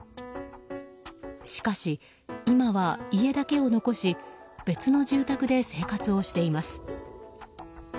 しかし今は家だけを残し別の住宅で生活をしています。